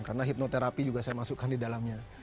karena hipnoterapi juga saya masukkan di dalamnya